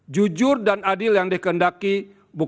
jujur dan adil yang dihendaki bukan hanya sekadar sikap patuh pada aturan